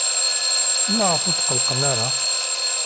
Maɣef ur tqellqen ara?